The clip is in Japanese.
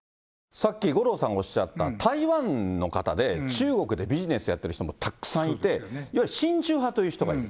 さっき、五郎さんがおっしゃった、台湾の方で、中国でビジネスやってる人もたくさんいて、いわゆる親中派という人がいる。